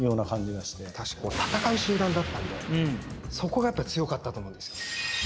戦う集団だったんでそこが強かったと思うんですよ。